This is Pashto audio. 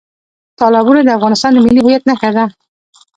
تالابونه د افغانستان د ملي هویت نښه ده.